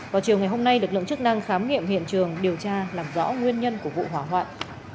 vào chiều ngày hôm nay lực lượng chức năng khám nghiệm hiện trường điều tra làm rõ nguyên nhân của vụ hỏa hoạn